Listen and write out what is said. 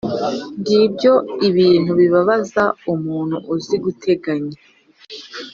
Ngibyo ibintu bibabaza umuntu uzi guteganya: